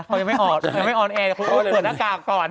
เขายังไม่ออนแอร์เดี๋ยวครูอ้วนเปิดหน้ากากก่อน